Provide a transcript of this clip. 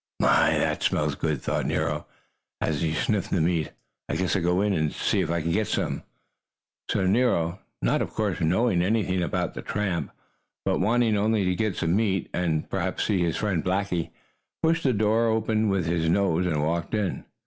"My, that smells good!" thought Nero, as he sniffed the meat. "I guess I'll go in and see if I can't get some." So Nero, not, of course, knowing anything about the tramp, but wanting only to get some meat and, perhaps, see his friend Blackie, pushed the kitchen door open with his nose and walked in.